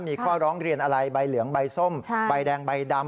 มีข้อร้องเรียนอะไรใบเหลืองใบส้มใบแดงใบดำ